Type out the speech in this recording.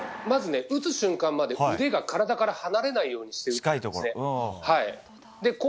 まず打つ瞬間まで腕が体から離れないようにしているんですね。